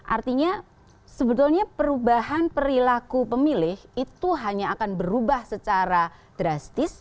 artinya sebetulnya perubahan perilaku pemilih itu hanya akan berubah secara drastis